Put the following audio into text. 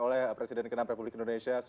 oleh presiden kenang republik indonesia